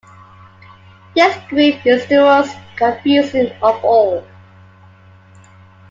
This group is the most confusing of all.